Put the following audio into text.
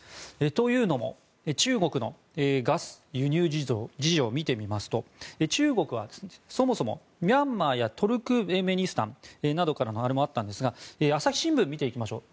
というのも中国のガス輸入事情を見てみますと中国はそもそもミャンマーやトルクメニスタンなどからもあったんですが朝日新聞を見ていきましょう。